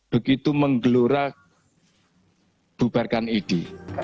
begitu menggelurah bubarkan idi